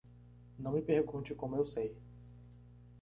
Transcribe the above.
Não me pergunte como eu sei.